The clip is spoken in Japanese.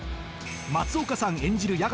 松岡さん演じる